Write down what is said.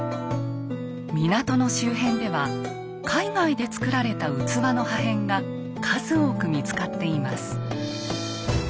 港の周辺では海外で作られた器の破片が数多く見つかっています。